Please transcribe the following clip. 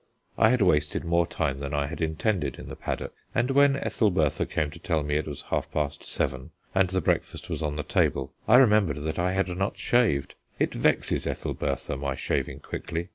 I had wasted more time than I had intended in the paddock, and when Ethelbertha came to tell me it was half past seven, and the breakfast was on the table, I remembered that I had not shaved. It vexes Ethelbertha my shaving quickly.